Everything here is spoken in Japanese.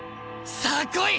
さあ来い！